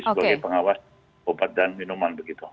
sebagai pengawas obat dan minuman begitu